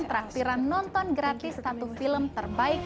terakhiran nonton gratis satu film terbaik